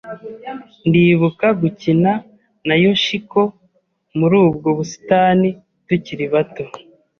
Ndibuka gukina na Yoshiko muri ubwo busitani tukiri bato.